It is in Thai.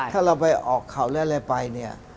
คือถ้าเราไปออกเขาแล้วไปเนี่ย